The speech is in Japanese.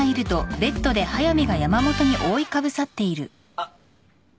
あっ。